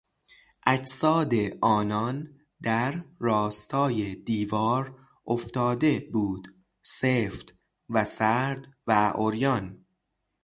اجساد آنان در راستای دیوار افتاده بود، سفت و سرد و عریان.